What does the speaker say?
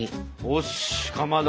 よしかまど！